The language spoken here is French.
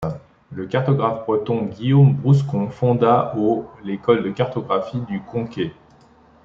Le cartographe breton Guillaume Brouscon fonda au l’École de cartographie du Conquet.